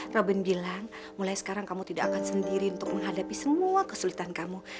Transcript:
raben bilang mulai sekarang kamu tidak akan sendiri untuk menghadapi semua kesulitan kamu